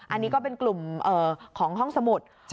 อันนี้ก็เป็นกลุ่มของห้องสมุด